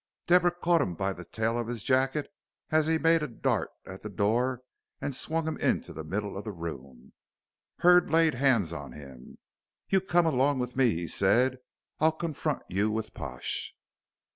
Deborah caught him by the tail of his jacket as he made a dart at the door and swung him into the middle of the room. Hurd laid hands on him. "You come along with me," he said. "I'll confront you with Pash."